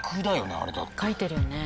書いてるよね。